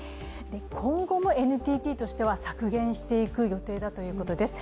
今後もＮＴＴとしては削減していく予定だということです。